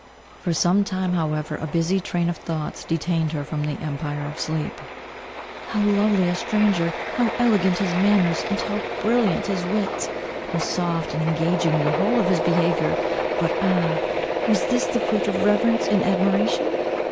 For some time however a busy train of thoughts detained her from the empire of sleep. "How lovely a stranger! How elegant his manners, and how brilliant his wit! How soft and engaging the whole of his behaviour! But ah! was this the fruit of reverence and admiration?